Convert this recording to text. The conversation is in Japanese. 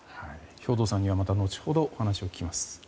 兵頭さんにはまた後ほど話を聞きます。